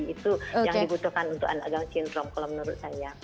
itu yang dibutuhkan untuk anak down syndrom kalau menurut saya